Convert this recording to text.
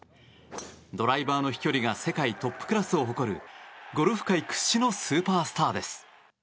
ドライバーの飛距離が世界トップクラスを誇るゴルフ界屈指のスーパースターです。